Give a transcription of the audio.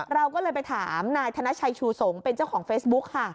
เราก็เลยไปถามนายธนชัยชูสงศ์เป็นเจ้าของเฟซบุ๊คค่ะ